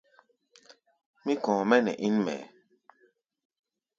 Mí kɔ̧ɔ̧ mɛ́ nɛ ín mɛɛ.